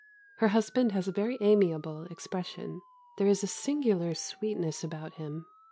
Her husband has a very amiable expression. There is a singular sweetness about him."